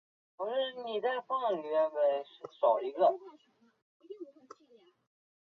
乡村基是一家中国大陆第一家在美国纽交所上市的餐饮企业。